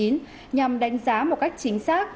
nhằm đánh giá một cách chính xác